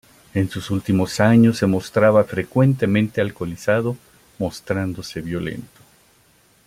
En sus últimos años se mostraba frecuentemente alcoholizado mostrándose violento.